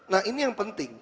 nah ini yang penting